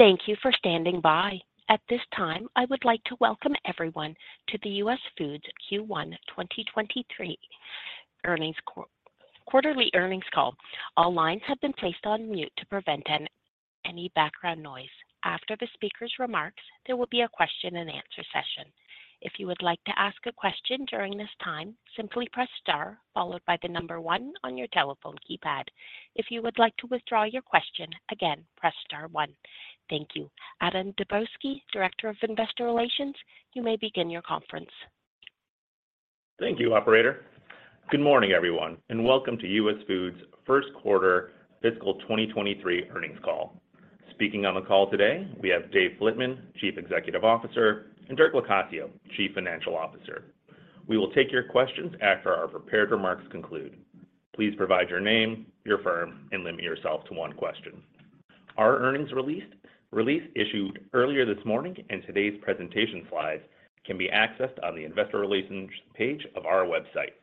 Thank you for standing by. At this time, I would like to welcome everyone to the US Foods Q1 2023 earnings quarterly earnings call. All lines have been placed on mute to prevent any background noise. After the speaker's remarks, there will be a Q&A session. If you would like to ask a question during this time, simply press star followed by one on your telephone keypad. If you would like to withdraw your question, again press star one. Thank you. Adam Dabrowski, Director of Investor Relations, you may begin your conference. Thank you, operator. Good morning, everyone, and welcome to US Foods Q1 fiscal 2023 earnings call. Speaking on the call today, we have Dave Flitman, Chief Executive Officer, and Dirk Locascio, Chief Financial Officer. We will take your questions after our prepared remarks conclude. Please provide your name, your firm, and limit yourself to one question. Our earnings release issued earlier this morning and today's presentation slides can be accessed on the investor relations page of our website.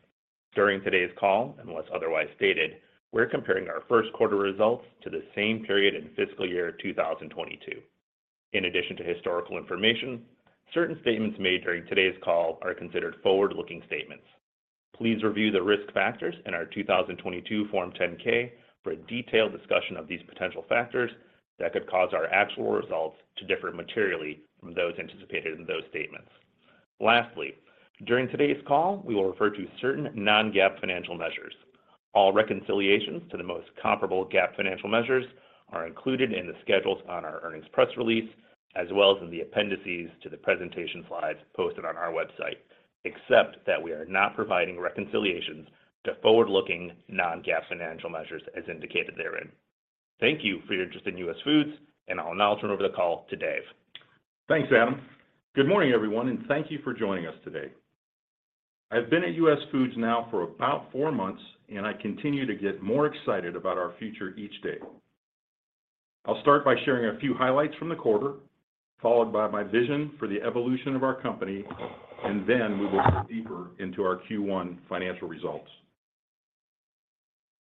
During today's call, unless otherwise stated, we're comparing our Q1 results to the same period in fiscal year 2022. In addition to historical information, certain statements made during today's call are considered forward-looking statements. Please review the risk factors in our 2022 Form 10-K for a detailed discussion of these potential factors that could cause our actual results to differ materially from those anticipated in those statements. Lastly, during today's call, we will refer to certain non-GAAP financial measures. All reconciliations to the most comparable GAAP financial measures are included in the schedules on our earnings press release, as well as in the appendices to the presentation slides posted on our website, except that we are not providing reconciliations to forward-looking non-GAAP financial measures as indicated therein. Thank you for your interest in US Foods, I'll now turn over the call to Dave. Thanks, Adam. Good morning, everyone, thank you for joining us today. I've been at US Foods now for about four months, and I continue to get more excited about our future each day. I'll start by sharing a few highlights from the quarter, followed by my vision for the evolution of our company, and then we will go deeper into our Q1 financial results.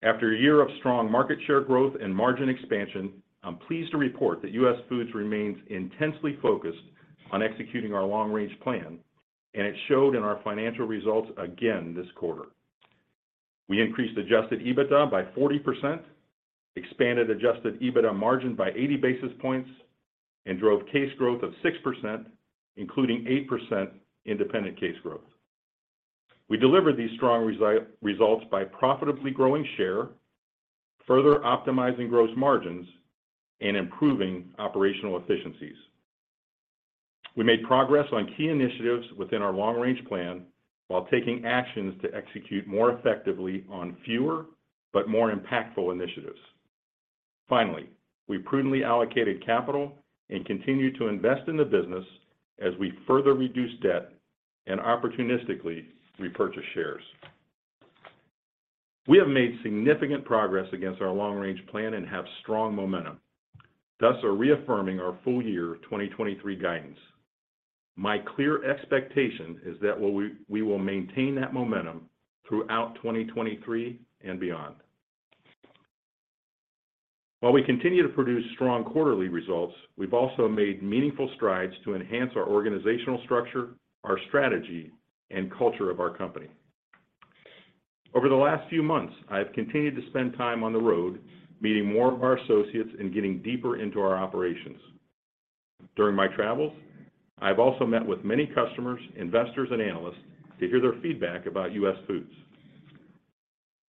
After a year of strong market share growth and margin expansion, I'm pleased to report that US Foods remains intensely focused on executing our long-range plan, and it showed in our financial results again this quarter. We increased adjusted EBITDA by 40%, expanded adjusted EBITDA margin by 80 basis points, and drove case growth of 6%, including 8% independent case growth. We delivered these strong results by profitably growing share, further optimizing gross margins, and improving operational efficiencies. We made progress on key initiatives within our long-range plan while taking actions to execute more effectively on fewer but more impactful initiatives. Finally, we prudently allocated capital and continued to invest in the business as we further reduced debt and opportunistically repurchased shares. We have made significant progress against our long-range plan and have strong momentum, thus are reaffirming our full year 2023 guidance. My clear expectation is that we will maintain that momentum throughout 2023 and beyond. While we continue to produce strong quarterly results, we've also made meaningful strides to enhance our organizational structure, our strategy, and culture of our company. Over the last few months, I have continued to spend time on the road, meeting more of our associates and getting deeper into our operations. During my travels, I've also met with many customers, investors, and analysts to hear their feedback about US Foods.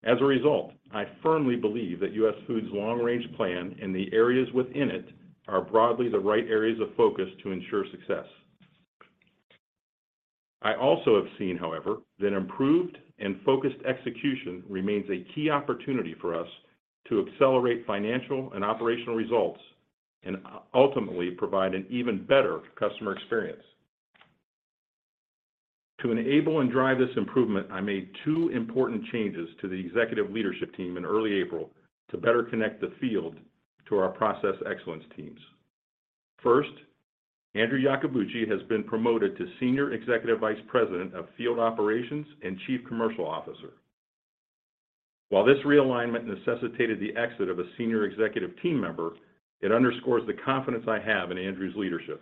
As a result, I firmly believe that US Foods long-range plan and the areas within it are broadly the right areas of focus to ensure success. I also have seen, however, that improved and focused execution remains a key opportunity for us to accelerate financial and operational results and ultimately provide an even better customer experience. To enable and drive this improvement, I made two important changes to the executive leadership team in early April to better connect the field to our process excellence teams. First, Andrew Iacobucci has been promoted to Senior Executive Vice President of Field Operations and Chief Commercial Officer. While this realignment necessitated the exit of a senior executive team member, it underscores the confidence I have in Andrew's leadership.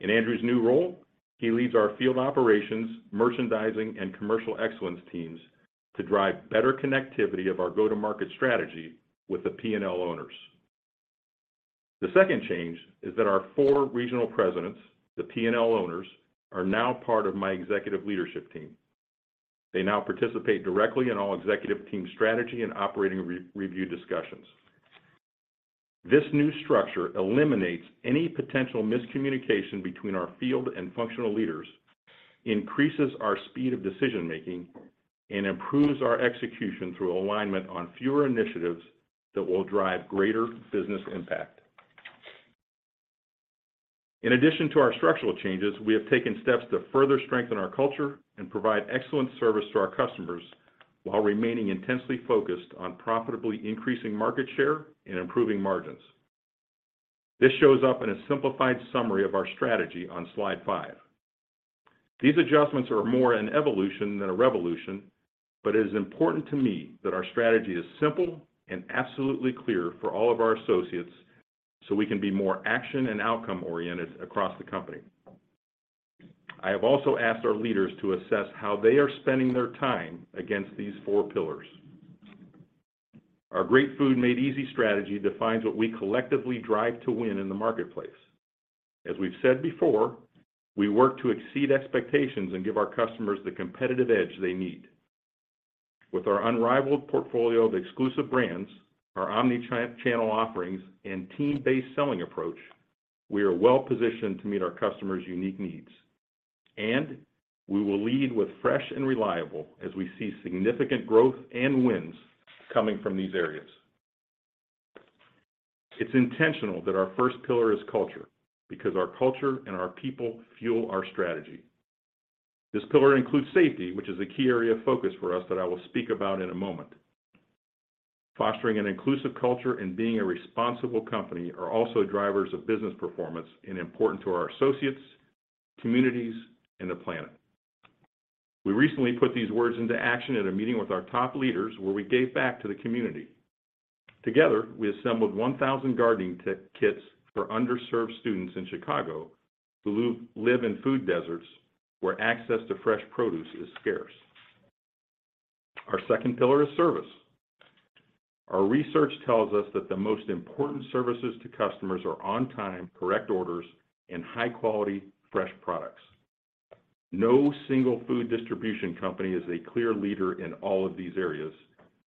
In Andrew's new role, he leads our field operations, merchandising, and commercial excellence teams to drive better connectivity of our go-to-market strategy with the P&L owners. The second change is that our four regional presidents, the P&L owners, are now part of my executive leadership team. They now participate directly in all executive team strategy and operating re-review discussions. This new structure eliminates any potential miscommunication between our field and functional leaders, increases our speed of decision-making, and improves our execution through alignment on fewer initiatives that will drive greater business impact. In addition to our structural changes, we have taken steps to further strengthen our culture and provide excellent service to our customers while remaining intensely focused on profitably increasing market share and improving margins. This shows up in a simplified summary of our strategy on slide 5. These adjustments are more an evolution than a revolution, but it is important to me that our strategy is simple and absolutely clear for all of our associates, so we can be more action and outcome-oriented across the company. I have also asked our leaders to assess how they are spending their time against these four pillars. Our GREAT FOOD. MADE EASY. strategy defines what we collectively drive to win in the marketplace. As we've said before, we work to exceed expectations and give our customers the competitive edge they need. With our unrivaled portfolio of exclusive brands, our omnichannel offerings, and team-based selling approach, we are well positioned to meet our customers' unique needs, and we will lead with fresh and reliable as we see significant growth and wins coming from these areas. It's intentional that our first pillar is culture because our culture and our people fuel our strategy. This pillar includes safety, which is a key area of focus for us that I will speak about in a moment. Fostering an inclusive culture and being a responsible company are also drivers of business performance and important to our associates, communities, and the planet. We recently put these words into action at a meeting with our top leaders, where we gave back to the community. Together, we assembled 1,000 gardening kits for underserved students in Chicago who live in food deserts where access to fresh produce is scarce. Our second pillar is service. Our research tells us that the most important services to customers are on time, correct orders, and high-quality fresh products. No single food distribution company is a clear leader in all of these areas,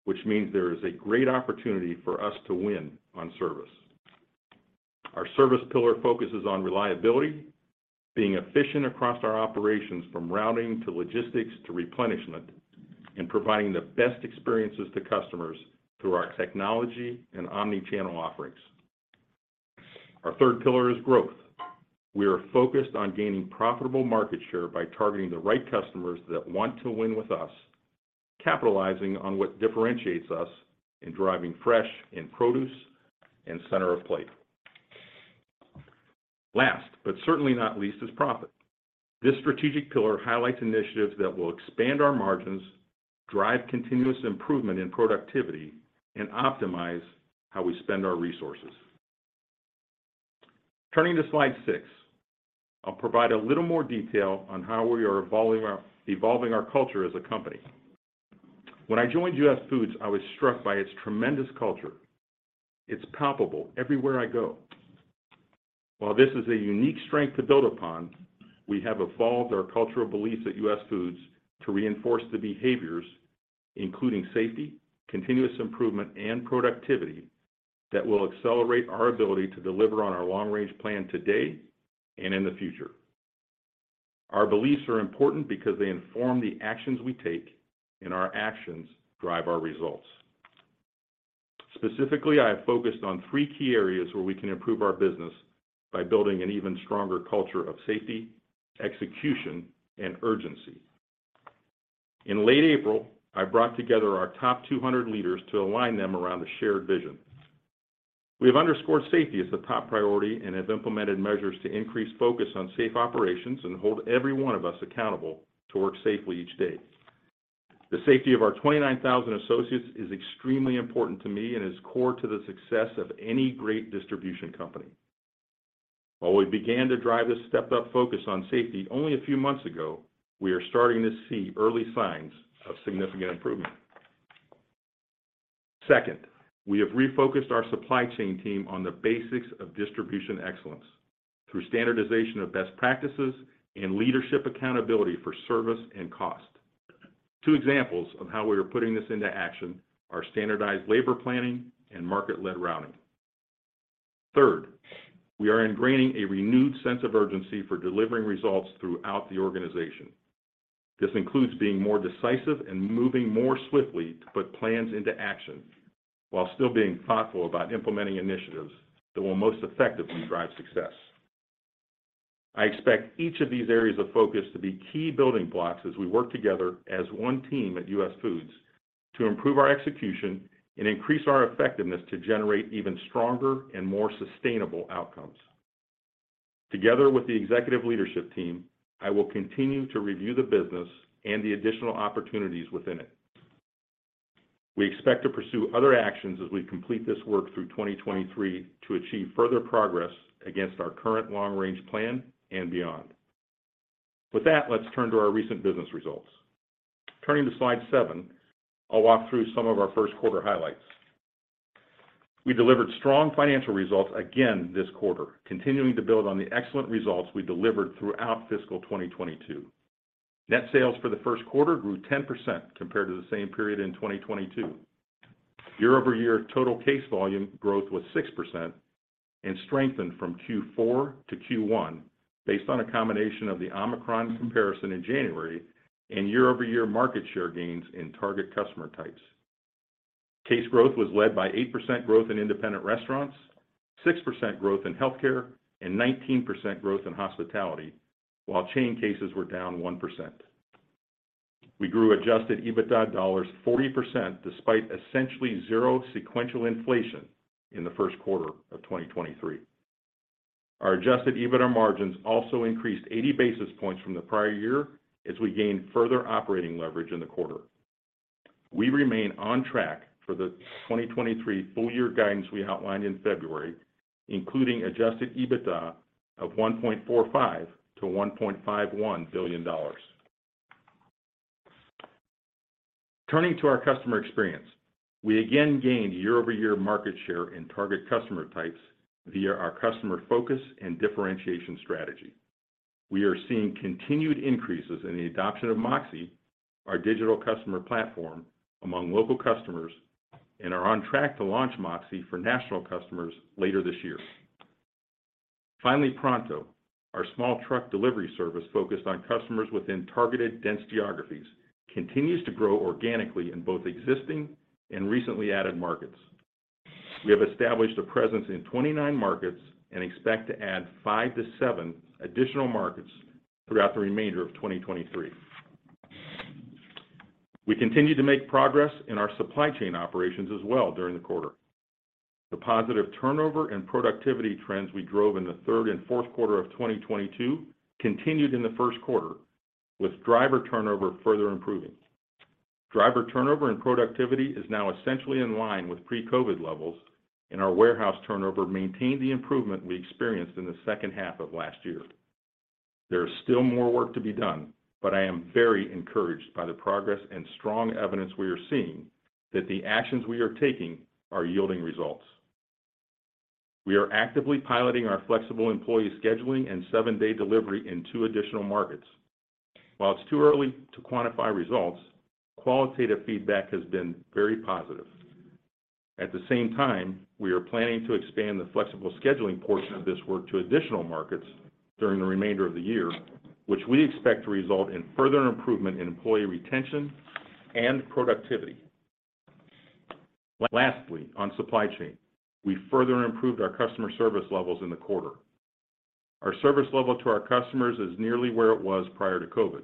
which means there is a great opportunity for us to win on service. Our service pillar focuses on reliability, being efficient across our operations from routing to logistics to replenishment, and providing the best experiences to customers through our technology and omnichannel offerings. Our third pillar is growth. We are focused on gaining profitable market share by targeting the right customers that want to win with us, capitalizing on what differentiates us, and driving fresh in produce and Center of the Plate. Last, certainly not least, is profit. This strategic pillar highlights initiatives that will expand our margins, drive continuous improvement in productivity, and optimize how we spend our resources. Turning to slide 6, I'll provide a little more detail on how we are evolving our culture as a company. When I joined US Foods, I was struck by its tremendous culture. It's palpable everywhere I go. While this is a unique strength to build upon, we have evolved our cultural beliefs at US Foods to reinforce the behaviors, including safety, continuous improvement, and productivity that will accelerate our ability to deliver on our long-range plan today and in the future. Our beliefs are important because they inform the actions we take, and our actions drive our results. Specifically, I have focused on three key areas where we can improve our business by building an even stronger culture of safety, execution, and urgency. In late April, I brought together our top 200 leaders to align them around a shared vision. We have underscored safety as the top priority and have implemented measures to increase focus on safe operations and hold every one of us accountable to work safely each day. The safety of our 29,000 associates is extremely important to me and is core to the success of any great distribution company. While we began to drive this stepped-up focus on safety only a few months ago, we are starting to see early signs of significant improvement. We have refocused our supply chain team on the basics of distribution excellence through standardization of best practices and leadership accountability for service and cost. Two examples of how we are putting this into action are standardized labor planning and market-led routing. We are ingraining a renewed sense of urgency for delivering results throughout the organization. This includes being more decisive and moving more swiftly to put plans into action while still being thoughtful about implementing initiatives that will most effectively drive success. I expect each of these areas of focus to be key building blocks as we work together as one team at US Foods to improve our execution and increase our effectiveness to generate even stronger and more sustainable outcomes. Together with the executive leadership team, I will continue to review the business and the additional opportunities within it. We expect to pursue other actions as we complete this work through 2023 to achieve further progress against our current long-range plan and beyond. Let's turn to our recent business results. Turning to slide 7, I'll walk through some of our Q1 highlights. We delivered strong financial results again this quarter, continuing to build on the excellent results we delivered throughout fiscal 2022. Net sales for the Q1 grew 10% compared to the same period in 2022. Year-over-year total case volume growth was 6% and strengthened from Q4 to Q1 based on a combination of the Omicron comparison in January and year-over-year market share gains in target customer types. Case growth was led by 8% growth in independent restaurants, 6% growth in healthcare, and 19% growth in hospitality, while chain cases were down 1%. We grew adjusted EBITDA dollars 40% despite essentially zero sequential inflation in the Q1 of 2023. Our adjusted EBITDA margins also increased 80 basis points from the prior year as we gained further operating leverage in the quarter. We remain on track for the 2023 full year guidance we outlined in February, including adjusted EBITDA of $1.45 billion-$1.51 billion. Turning to our customer experience, we again gained year-over-year market share in target customer types via our customer focus and differentiation strategy. We are seeing continued increases in the adoption of MOXĒ, our digital customer platform, among local customers and are on track to launch MOXĒ for national customers later this year. Finally, Pronto, our small truck delivery service focused on customers within targeted dense geographies, continues to grow organically in both existing and recently added markets. We have established a presence in 29 markets and expect to add five-seven additional markets throughout the remainder of 2023. We continued to make progress in our supply chain operations as well during the quarter. The positive turnover and productivity trends we drove in the third and Q4 of 2022 continued in the Q1, with driver turnover further improving. Driver turnover and productivity is now essentially in line with pre-COVID levels, and our warehouse turnover maintained the improvement we experienced in the second half of last year. There is still more work to be done, but I am very encouraged by the progress and strong evidence we are seeing that the actions we are taking are yielding results. We are actively piloting our flexible employee scheduling and seven-day delivery in two additional markets. While it's too early to quantify results, qualitative feedback has been very positive. At the same time, we are planning to expand the flexible scheduling portion of this work to additional markets during the remainder of the year, which we expect to result in further improvement in employee retention and productivity. Lastly, on supply chain, we further improved our customer service levels in the quarter. Our service level to our customers is nearly where it was prior to COVID.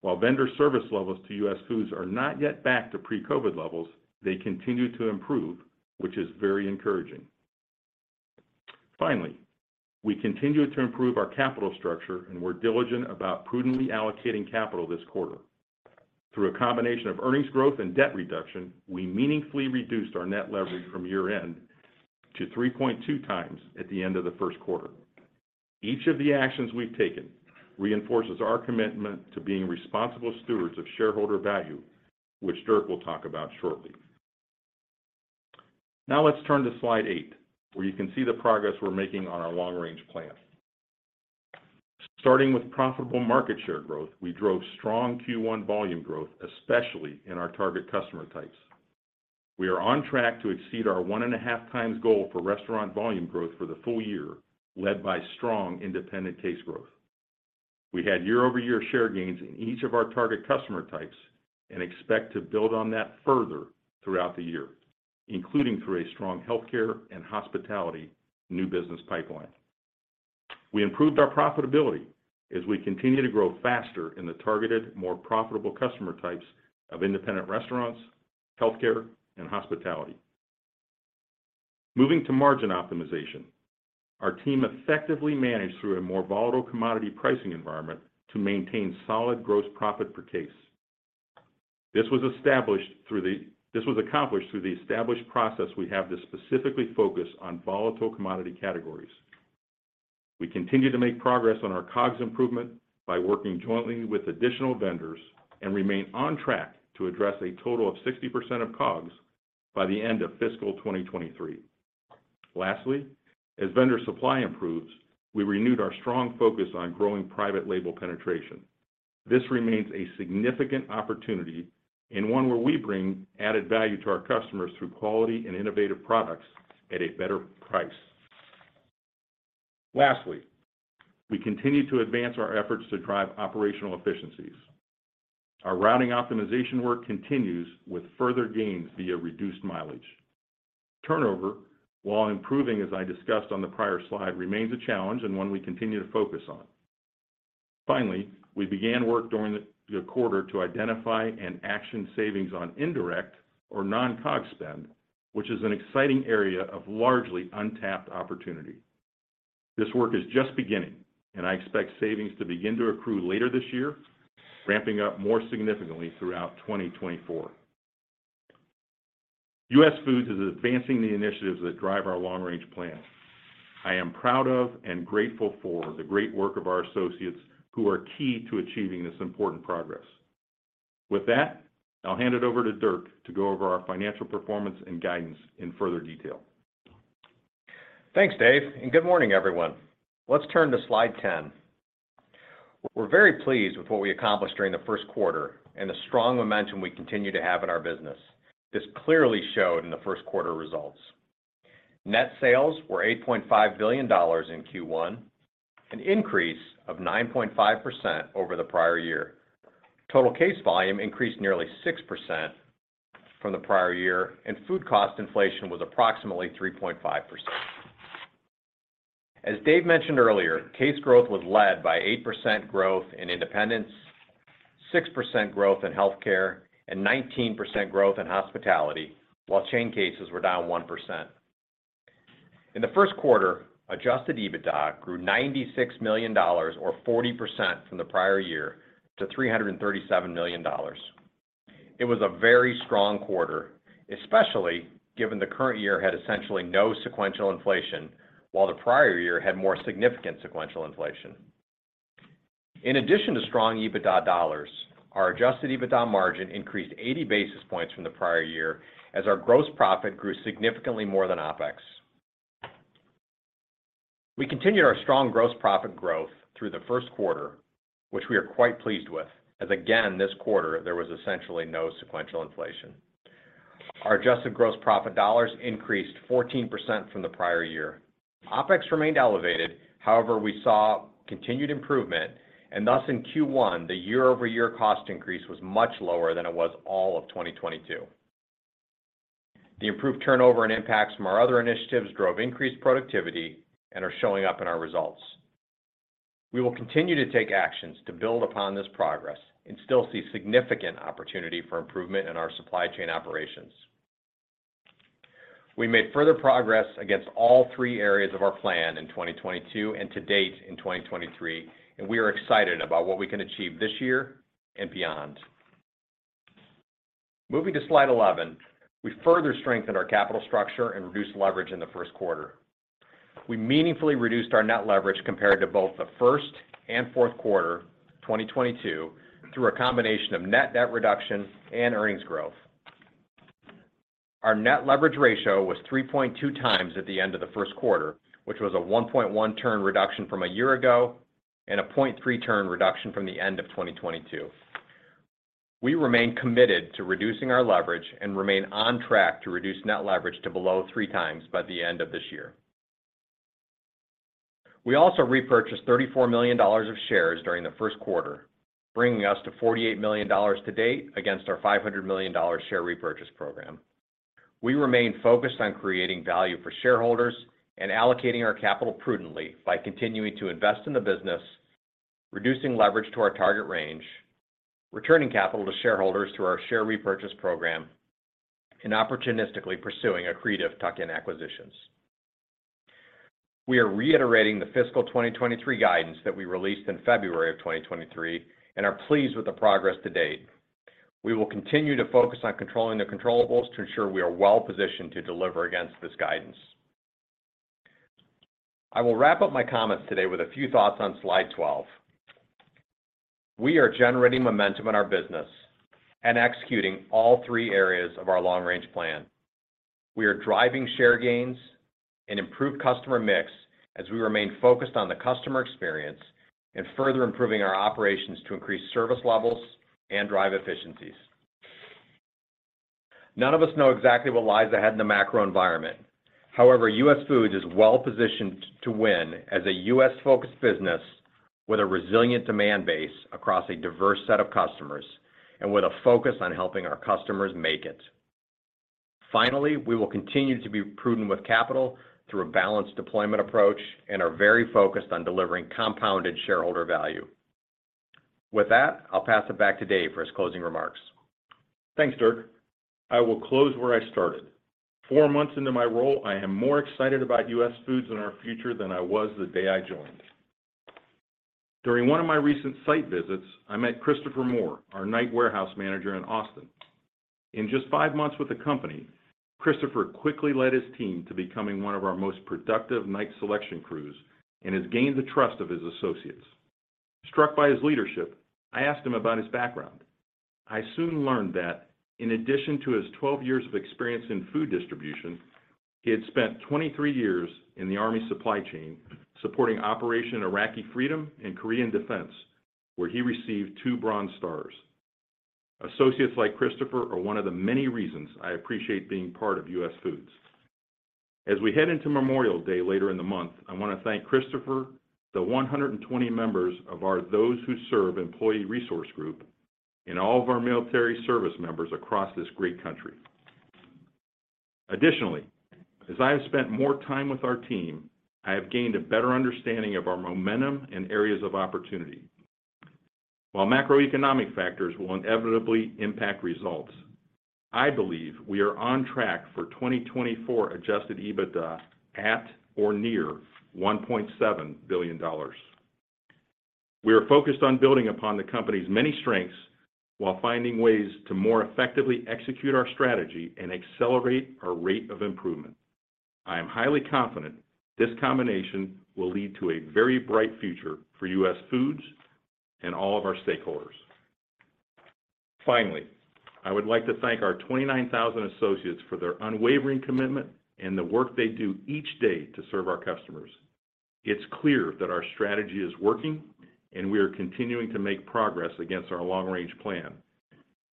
While vendor service levels to US Foods are not yet back to pre-COVID levels, they continue to improve, which is very encouraging. Finally, we continued to improve our capital structure. We're diligent about prudently allocating capital this quarter. Through a combination of earnings growth and debt reduction, we meaningfully reduced our net leverage from year-end to 3.2x at the end of the Q1. Each of the actions we've taken reinforces our commitment to being responsible stewards of shareholder value, which Dirk will talk about shortly. Let's turn to slide 8, where you can see the progress we're making on our long-range plan. Starting with profitable market share growth, we drove strong Q1 volume growth, especially in our target customer types. We are on track to exceed our 1.5x goal for restaurant volume growth for the full year, led by strong independent case growth. We had year-over-year share gains in each of our target customer types and expect to build on that further throughout the year, including through a strong healthcare and hospitality new business pipeline. We improved our profitability as we continue to grow faster in the targeted, more profitable customer types of independent restaurants, healthcare, and hospitality. Moving to margin optimization, our team effectively managed through a more volatile commodity pricing environment to maintain solid gross profit per case. This was accomplished through the established process we have to specifically focus on volatile commodity categories. We continue to make progress on our COGS improvement by working jointly with additional vendors and remain on track to address a total of 60% of COGS by the end of fiscal 2023. As vendor supply improves, we renewed our strong focus on growing private label penetration. This remains a significant opportunity and one where we bring added value to our customers through quality and innovative products at a better price. We continue to advance our efforts to drive operational efficiencies. Our routing optimization work continues with further gains via reduced mileage. Turnover, while improving as I discussed on the prior slide, remains a challenge and one we continue to focus on. Finally, we began work during the quarter to identify and action savings on indirect or non-COGS spend, which is an exciting area of largely untapped opportunity. This work is just beginning, and I expect savings to begin to accrue later this year, ramping up more significantly throughout 2024. US Foods is advancing the initiatives that drive our long-range plan. I am proud of and grateful for the great work of our associates who are key to achieving this important progress. With that, I'll hand it over to Dirk to go over our financial performance and guidance in further detail. Thanks, Dave. Good morning, everyone. Let's turn to slide 10. We're very pleased with what we accomplished during the Q1 and the strong momentum we continue to have in our business. This clearly showed in the Q1 results. Net sales were $8.5 billion in Q1, an increase of 9.5% over the prior year. Total case volume increased nearly 6% from the prior year, and food cost inflation was approximately 3.5%. As Dave mentioned earlier, case growth was led by 8% growth in independents, 6% growth in healthcare, and 19% growth in hospitality, while chain cases were down 1%. In the Q1, adjusted EBITDA grew $96 million or 40% from the prior year to $337 million. It was a very strong quarter, especially given the current year had essentially no sequential inflation while the prior year had more significant sequential inflation. In addition to strong EBITDA dollars, our adjusted EBITDA margin increased 80 basis points from the prior year as our gross profit grew significantly more than OpEx. We continued our strong gross profit growth through the Q1, which we are quite pleased with as again, this quarter, there was essentially no sequential inflation. Our adjusted gross profit dollars increased 14% from the prior year. OpEx remained elevated, however, we saw continued improvement and thus in Q1, the year-over-year cost increase was much lower than it was all of 2022. The improved turnover and impacts from our other initiatives drove increased productivity and are showing up in our results. We will continue to take actions to build upon this progress and still see significant opportunity for improvement in our supply chain operations. We made further progress against all three areas of our plan in 2022 and to date in 2023. We are excited about what we can achieve this year and beyond. Moving to slide 11. We further strengthened our capital structure and reduced leverage in the Q1. We meaningfully reduced our net leverage compared to both the first and Q4 2022 through a combination of net debt reduction and earnings growth. Our net leverage ratio was 3.2x at the end of the Q1, which was a 1.1 turn reduction from a year ago and a 0.3 turn reduction from the end of 2022. We remain committed to reducing our leverage and remain on track to reduce net leverage to below 3x by the end of this year. We also repurchased $34 million of shares during the Q1, bringing us to $48 million to date against our $500 million share repurchase program. We remain focused on creating value for shareholders and allocating our capital prudently by continuing to invest in the business, reducing leverage to our target range, returning capital to shareholders through our share repurchase program, and opportunistically pursuing accretive tuck-in acquisitions. We are reiterating the fiscal 2023 guidance that we released in February 2023 and are pleased with the progress to date. We will continue to focus on controlling the controllables to ensure we are well-positioned to deliver against this guidance. I will wrap up my comments today with a few thoughts on slide 12. We are generating momentum in our business and executing all three areas of our long-range plan. We are driving share gains and improved customer mix as we remain focused on the customer experience and further improving our operations to increase service levels and drive efficiencies. None of us know exactly what lies ahead in the macro environment. However, US Foods is well-positioned to win as a U.S.-focused business with a resilient demand base across a diverse set of customers and with a focus on helping our customers make it. Finally, we will continue to be prudent with capital through a balanced deployment approach and are very focused on delivering compounded shareholder value. With that, I'll pass it back to Dave for his closing remarks. Thanks, Dirk. I will close where I started. Four months into my role, I am more excited about US Foods and our future than I was the day I joined. During one of my recent site visits, I met Christopher Moore, our Night Warehouse Manager in Austin. In just five months with the company, Christopher quickly led his team to becoming one of our most productive night selection crews and has gained the trust of his associates. Struck by his leadership, I asked him about his background. I soon learned that in addition to his 12 years of experience in food distribution, he had spent 23 years in the Army supply chain supporting Operation Iraqi Freedom and Korean Defense, where he received two Bronze Stars. Associates like Christopher are one of the many reasons I appreciate being part of US Foods. As we head into Memorial Day later in the month, I want to thank Christopher, the 120 members of our Those Who Serve employee resource group, and all of our military service members across this great country. As I have spent more time with our team, I have gained a better understanding of our momentum and areas of opportunity. While macroeconomic factors will inevitably impact results, I believe we are on track for 2024 adjusted EBITDA at or near $1.7 billion. We are focused on building upon the company's many strengths while finding ways to more effectively execute our strategy and accelerate our rate of improvement. I am highly confident this combination will lead to a very bright future for US Foods and all of our stakeholders. Finally, I would like to thank our 29,000 associates for their unwavering commitment and the work they do each day to serve our customers. It's clear that our strategy is working, we are continuing to make progress against our long-range plan,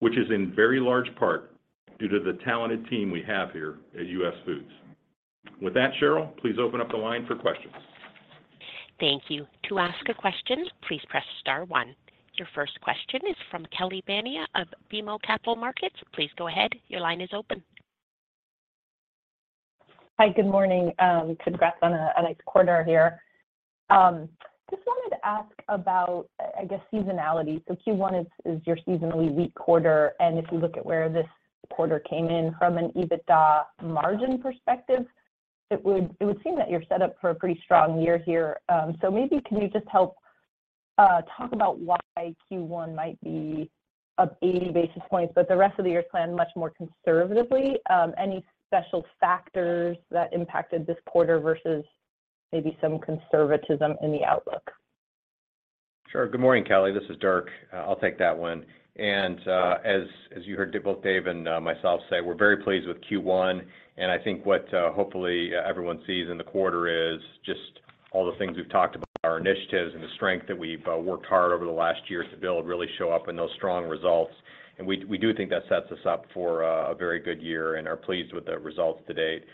which is in very large part due to the talented team we have here at US Foods. With that, Cheryl, please open up the line for questions. Thank you. To ask a question, please press star one. Your first question is from Kelly Bania of BMO Capital Markets. Please go ahead. Your line is open. Hi, good morning. Congrats on a nice quarter here. Just wanted to ask about seasonality. Q1 is your seasonally weak quarter, and if you look at where this quarter came in from an EBITDA margin perspective, it would seem that you're set up for a pretty strong year here. Maybe can you just help talk about why Q1 might be up 80 basis points, but the rest of the year is planned much more conservatively? Any special factors that impacted this quarter versus maybe some conservatism in the outlook? Sure. Good morning, Kelly Bania. This is Dirk Locascio. I'll take that one. As you heard both Dave Flitman and myself say, we're very pleased with Q1, and I think what hopefully everyone sees in the quarter is just all the things we've talked about, our initiatives and the strength that we've worked hard over the last one year to build really show up in those strong results. We do think that sets us up for a very good year and are pleased with the results to date.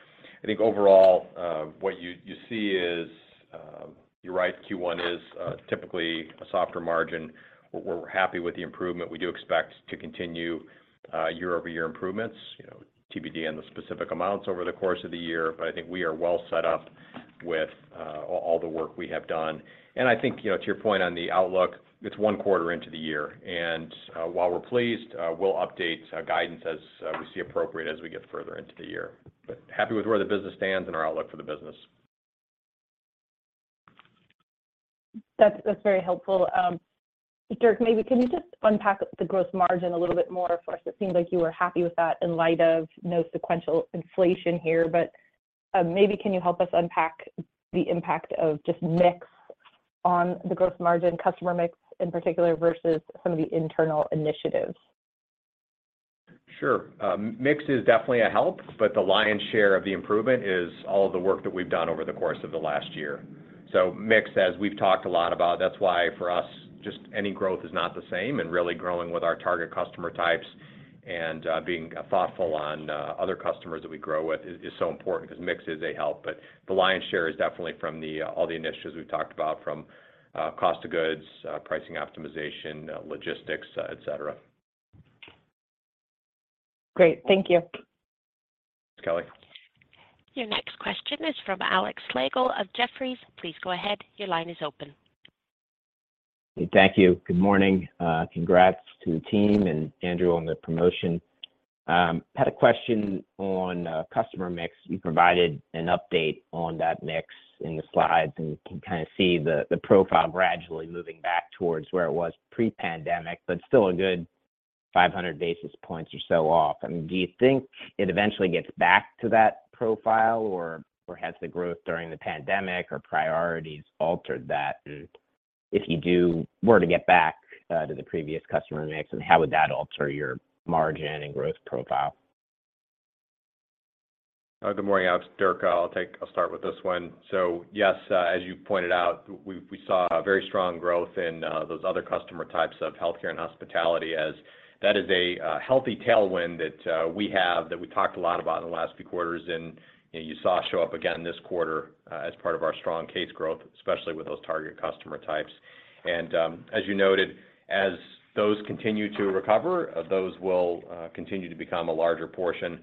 I think overall, what you see is, you're right, Q1 is typically a softer margin. We're happy with the improvement. We do expect to continue year-over-year improvements, you know, TBD on the specific amounts over the course of the year. I think we are well set up with all the work we have done. I think, you know, to your point on the outlook, it's one quarter into the year, and while we're pleased, we'll update guidance as we see appropriate as we get further into the year. Happy with where the business stands and our outlook for the business. That's very helpful. Dirk, maybe can you just unpack the gross margin a little bit more for us? It seems like you were happy with that in light of no sequential inflation here. Maybe can you help us unpack the impact of just mix on the gross margin, customer mix in particular, versus some of the internal initiatives? Sure. Mix is definitely a help, but the lion's share of the improvement is all of the work that we've done over the course of the last year. Mix, as we've talked a lot about, that's why for us, just any growth is not the same and really growing with our target customer types and being thoughtful on other customers that we grow with is so important because mix is a help. The lion's share is definitely from all the initiatives we've talked about from cost of goods, pricing optimization, logistics, et cetera. Great. Thank you. Thanks, Kelly. Your next question is from Alex Slagle of Jefferies. Please go ahead. Your line is open. Thank you. Good morning. Congrats to the team and Andrew on the promotion. Had a question on customer mix. You provided an update on that mix in the slides, and you can kind of see the profile gradually moving back towards where it was pre-pandemic, but still a good 500 basis points or so off. I mean, do you think it eventually gets back to that profile or has the growth during the pandemic or priorities altered that? If you were to get back to the previous customer mix, then how would that alter your margin and growth profile? Good morning, Alex. Dirk. I'll start with this one. Yes, as you pointed out, we saw a very strong growth in those other customer types of healthcare and hospitality as that is a healthy tailwind that we have, that we talked a lot about in the last few quarters. You know, you saw show up again this quarter as part of our strong case growth, especially with those target customer types. As you noted, as those continue to recover, those will continue to become a larger portion.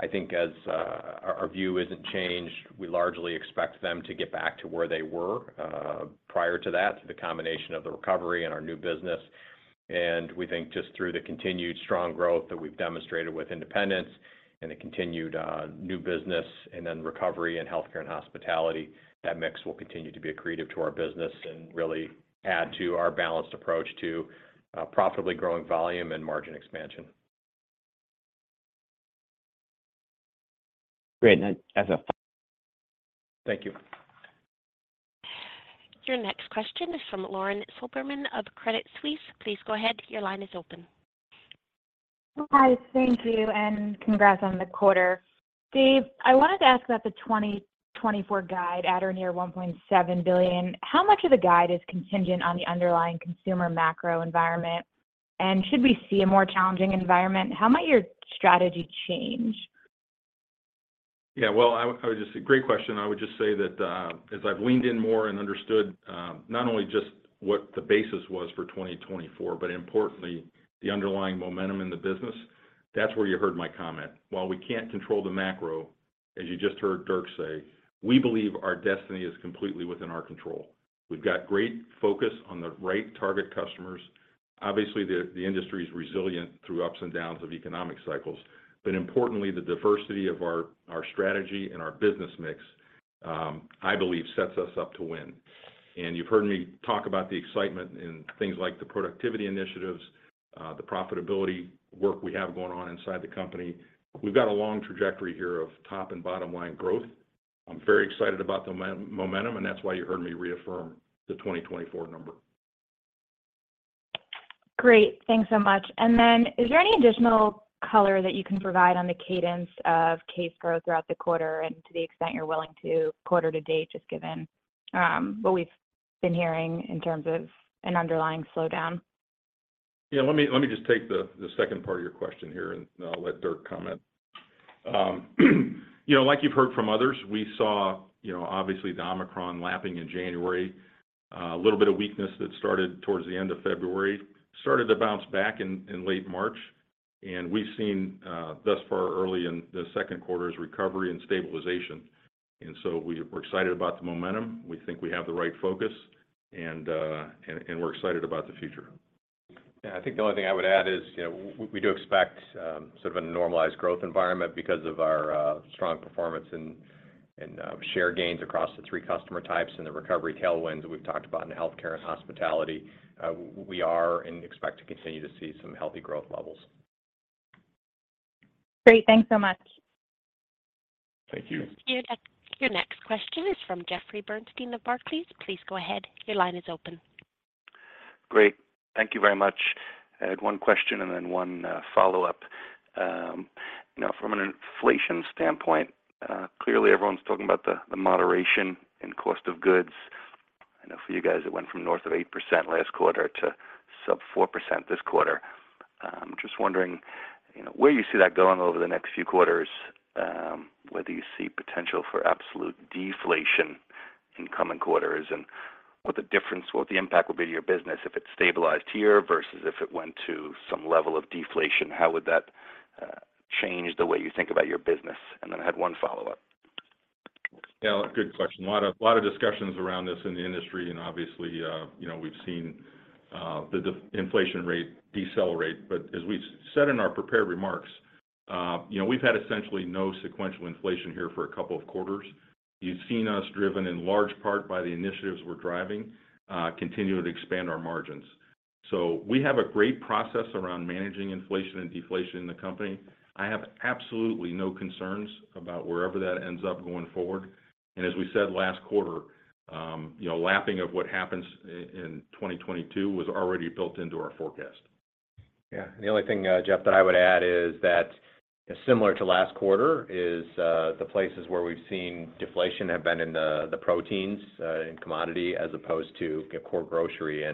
Our view isn't changed. We largely expect them to get back to where they were prior to that, through the combination of the recovery and our new business. We think just through the continued strong growth that we've demonstrated with independents and the continued new business and then recovery in healthcare and hospitality, that mix will continue to be accretive to our business and really add to our balanced approach to profitably growing volume and margin expansion. Great. Thank you. Your next question is from Lauren Silberman of Credit Suisse. Please go ahead. Your line is open. Hi. Thank you, and congrats on the quarter. Dave, I wanted to ask about the 2024 guide at or near $1.7 billion. How much of the guide is contingent on the underlying consumer macro environment? Should we see a more challenging environment, how might your strategy change? Well, I would just say. Great question. I would just say that, as I've leaned in more and understood, not only just what the basis was for 2024, but importantly the underlying momentum in the business, that's where you heard my comment. While we can't control the macro, as you just heard Dirk say, we believe our destiny is completely within our control. We've got great focus on the right target customers. Obviously, the industry is resilient through ups and downs of economic cycles. Importantly, the diversity of our strategy and our business mix, I believe sets us up to win. You've heard me talk about the excitement in things like the productivity initiatives, the profitability work we have going on inside the company. We've got a long trajectory here of top and bottom-line growth. I'm very excited about the momentum, and that's why you heard me reaffirm the 2024 number. Great. Thanks so much. Is there any additional color that you can provide on the cadence of case growth throughout the quarter and to the extent you're willing to quarter to date, just given what we've been hearing in terms of an underlying slowdown? Let me just take the second part of your question here, and I'll let Dirk comment. You know, like you've heard from others, we saw, you know, obviously the Omicron lapping in January, a little bit of weakness that started towards the end of February, started to bounce back in late March. We've seen, thus far early in the Q2's recovery and stabilization. So we're excited about the momentum. We think we have the right focus and we're excited about the future. Yeah. I think the only thing I would add is, you know, we do expect a normalized growth environment because of our strong performance and share gains across the three customer types and the recovery tailwinds that we've talked about in healthcare and hospitality. We are and expect to continue to see some healthy growth levels. Great. Thanks so much. Thank you. Your next question is from Jeffrey Bernstein of Barclays. Please go ahead. Your line is open. Great. Thank you very much. I had one question and then one follow-up. You know, from an inflation standpoint, clearly everyone's talking about the moderation in cost of goods. I know for you guys, it went from north of 8% last quarter to sub-4% this quarter. Just wondering, you know, where you see that going over the next few quarters, whether you see potential for absolute deflation in coming quarters and what the impact will be to your business if it stabilized here versus if it went to some level of deflation, how would that change the way you think about your business? I had one follow-up. Yeah, good question. A lot of discussions around this in the industry and obviously, you know, we've seen the de-inflation rate decelerate. As we said in our prepared remarks, you know, we've had essentially no sequential inflation here for a couple of quarters. You've seen us driven in large part by the initiatives we're driving, continue to expand our margins. We have a great process around managing inflation and deflation in the company. I have absolutely no concerns about wherever that ends up going forward. As we said last quarter, you know, lapping of what happens in 2022 was already built into our forecast. Yeah. The only thing, Jeff, that I would add is that similar to last quarter is the places where we've seen deflation have been in the proteins, in commodity as opposed to the core grocery.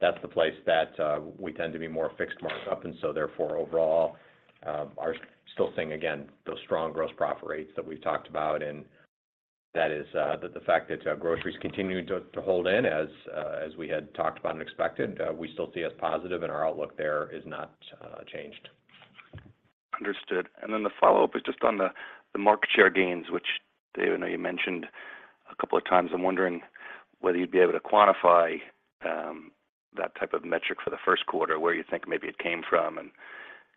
That's the place that we tend to be more fixed markup. Therefore, overall, are still seeing, again, those strong gross profit rates that we've talked about. That is the fact that groceries continued to hold in as we had talked about and expected, we still see as positive and our outlook there is not changed. Understood. The follow-up is just on the market share gains, which Dave, I know you mentioned a couple of times. I'm wondering whether you'd be able to quantify that type of metric for the Q1, where you think maybe it came from.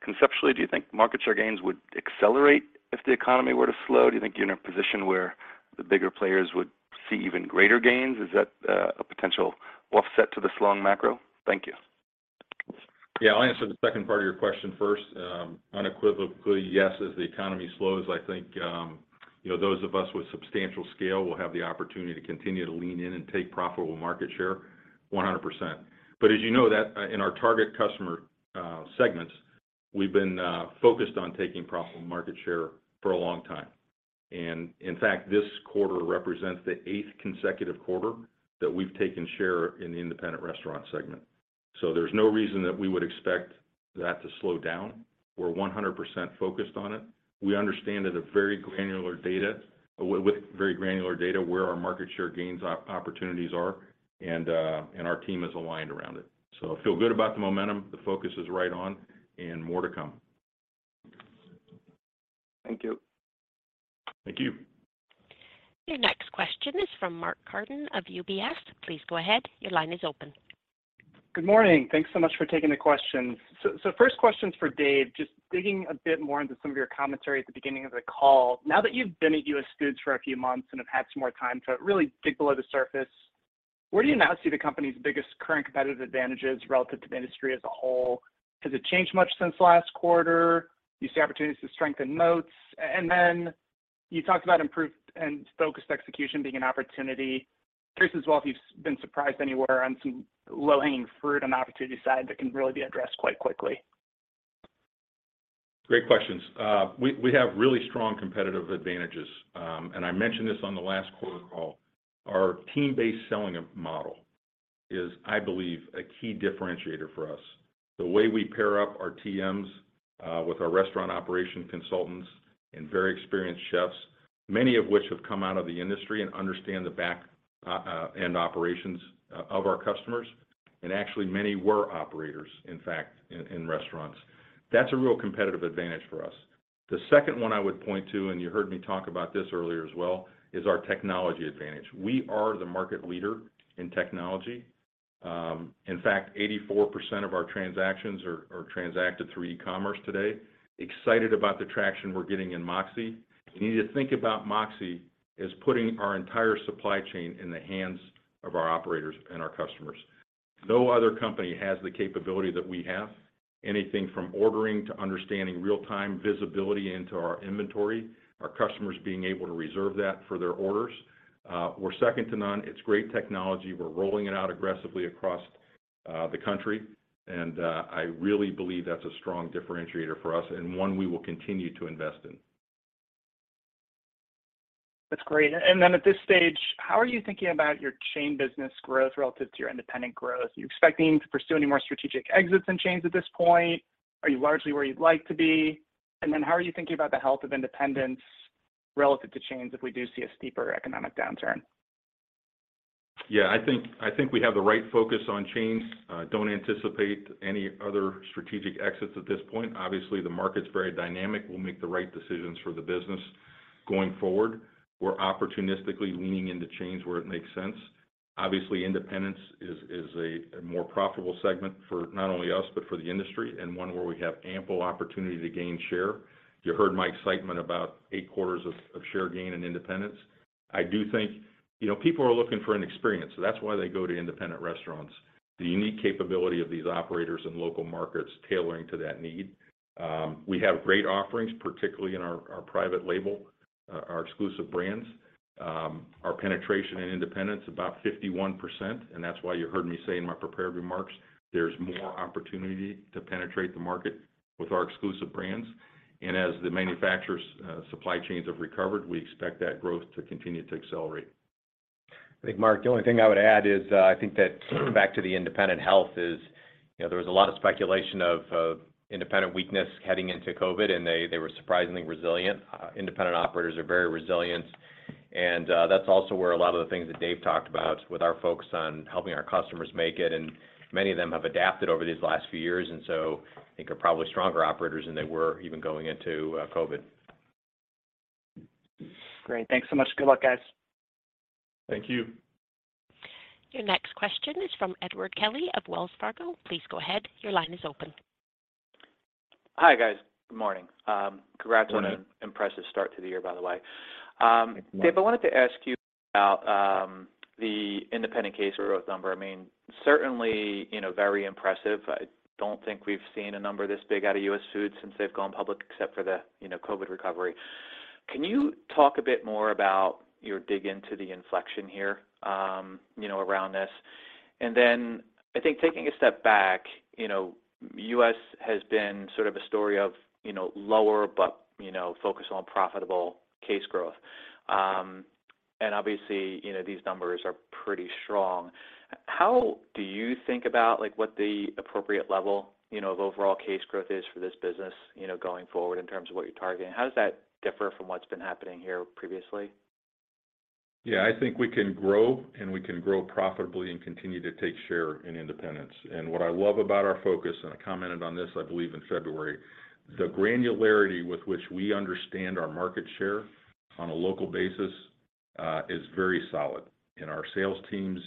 Conceptually, do you think market share gains would accelerate if the economy were to slow? Do you think you're in a position where the bigger players would see even greater gains? Is that a potential offset to the slowing macro? Thank you. Yeah. I'll answer the second part of your question first. Unequivocally yes. As the economy slows, I think, you know, those of us with substantial scale will have the opportunity to continue to lean in and take profitable market share 100%. As you know that, in our target customer segments, we've been focused on taking profitable market share for a long time. In fact, this quarter represents the eighth consecutive quarter that we've taken share in the independent restaurant segment. There's no reason that we would expect that to slow down. We're 100% focused on it. We understand with very granular data where our market share gains opportunities are, and our team is aligned around it. I feel good about the momentum. The focus is right on and more to come. Thank you. Thank you. Your next question is from Mark Carden of UBS. Please go ahead. Your line is open. Good morning. Thanks so much for taking the questions. First question is for Dave, just digging a bit more into some of your commentary at the beginning of the call. Now that you've been at US Foods for a few months and have had some more time to really dig below the surface, where do you now see the company's biggest current competitive advantages relative to the industry as a whole? Has it changed much since last quarter? Do you see opportunities to strengthen moats? Then you talked about improved and focused execution being an opportunity. Curious as well if you've been surprised anywhere on some low-hanging fruit on the opportunity side that can really be addressed quite quickly. Great questions. We have really strong competitive advantages. I mentioned this on the last quarter call. Our team-based selling model is, I believe, a key differentiator for us. The way we pair up our TMs with our restaurant operation consultants and very experienced chefs, many of which have come out of the industry and understand the back end operations of our customers, actually many were operators, in fact, in restaurants. That's a real competitive advantage for us. The second one I would point to, you heard me talk about this earlier as well, is our technology advantage. We are the market leader in technology. In fact, 84% of our transactions are transacted through e-commerce today. Excited about the traction we're getting in MOXĒ. You need to think about MOXĒ as putting our entire supply chain in the hands of our operators and our customers. No other company has the capability that we have, anything from ordering to understanding real-time visibility into our inventory, our customers being able to reserve that for their orders. We're second to none. It's great technology. We're rolling it out aggressively across the country. I really believe that's a strong differentiator for us and one we will continue to invest in. That's great. At this stage, how are you thinking about your chain business growth relative to your independent growth? Are you expecting to pursue any more strategic exits in chains at this point? Are you largely where you'd like to be? How are you thinking about the health of independents relative to chains if we do see a steeper economic downturn? Yeah, I think we have the right focus on chains. Don't anticipate any other strategic exits at this point. Obviously, the market's very dynamic. We'll make the right decisions for the business going forward. We're opportunistically leaning into chains where it makes sense. Obviously, independents is a more profitable segment for not only us, but for the industry, and one where we have ample opportunity to gain share. You heard my excitement about eight quarters of share gain in independents. I do think, you know, people are looking for an experience. That's why they go to independent restaurants. The unique capability of these operators in local markets tailoring to that need. We have great offerings, particularly in our private label, our exclusive brands. Our penetration in independents, about 51%. That's why you heard me say in my prepared remarks, there's more opportunity to penetrate the market with our exclusive brands. As the manufacturers, supply chains have recovered, we expect that growth to continue to accelerate. I think, Mark, the only thing I would add is, I think that back to the independent health is, you know, there was a lot of speculation of independent weakness heading into COVID, and they were surprisingly resilient. independent operators are very resilient. That's also where a lot of the things that Dave talked about with our focus on helping our customers make it, and many of them have adapted over these last few years. I think are probably stronger operators than they were even going into, COVID. Great. Thanks so much. Good luck, guys. Thank you. Your next question is from Edward Kelly of Wells Fargo. Please go ahead. Your line is open. Hi, guys. Good morning. Congrats on an- Good morning.... impressive start to the year, by the way. Dave, I wanted to ask you about the independent case growth number. I mean, certainly, you know, very impressive. I don't think we've seen a number this big out of US Foods since they've gone public except for the, you know, COVID recovery. Can you talk a bit more about your dig into the inflection here, you know, around this? I think taking a step back, you know, US has been sort of a story of, you know, lower but, you know, focused on profitable case growth. Obviously, you know, these numbers are pretty strong. How do you think about, like, what the appropriate level, you know, of overall case growth is for this business, you know, going forward in terms of what you're targeting? How does that differ from what's been happening here previously? Yeah. I think we can grow, and we can grow profitably and continue to take share in independents. What I love about our focus, and I commented on this, I believe, in February, the granularity with which we understand our market share on a local basis, is very solid. Our sales teams,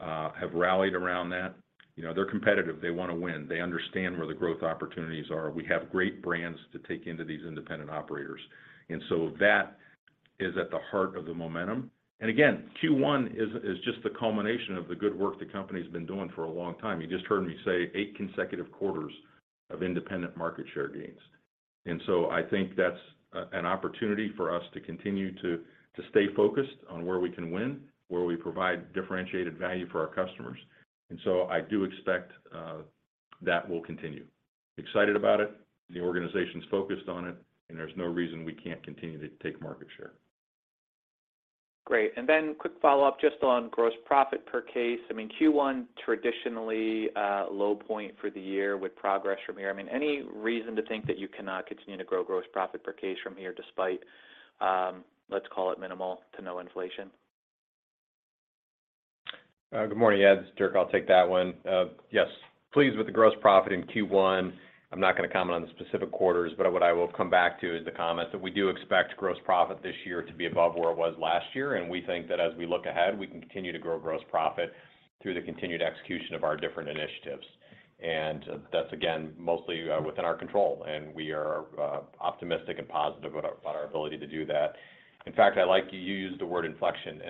have rallied around that. You know, they're competitive. They wanna win. They understand where the growth opportunities are. We have great brands to take into these independent operators. That is at the heart of the momentum. Again, Q1 is just the culmination of the good work the company's been doing for a long time. You just heard me say eight consecutive quarters of independent market share gains. I think that's an opportunity for us to continue to stay focused on where we can win, where we provide differentiated value for our customers. I do expect that will continue. Excited about it. The organization's focused on it, and there's no reason we can't continue to take market share. Great. Quick follow-up just on gross profit per case. I mean, Q1 traditionally a low point for the year with progress from here. I mean, any reason to think that you cannot continue to grow gross profit per case from here despite, let's call it minimal to no inflation? Good morning. Ed, it's Dirk. I'll take that one. Yes. Pleased with the gross profit in Q1. I'm not gonna comment on the specific quarters, but what I will come back to is the comment that we do expect gross profit this year to be above where it was last year, and we think that as we look ahead, we can continue to grow gross profit through the continued execution of our different initiatives. That's again, mostly within our control, and we are optimistic and positive about our ability to do that. In fact, I like you used the word inflection.